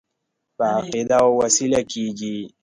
په عقیده او وسیله کېږي.